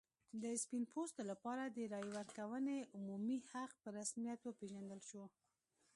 د سپین پوستو لپاره د رایې ورکونې عمومي حق په رسمیت وپېژندل شو.